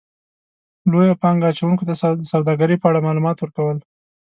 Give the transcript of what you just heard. -لویو پانګه اچونکو ته د سوداګرۍ په اړه مالومات ورکو ل